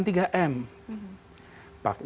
mengerjakan tiga m